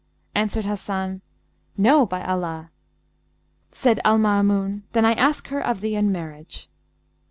Answered Hasan, 'No, by Allah!' Said Al Maamun, Then I ask her of thee in marriage.'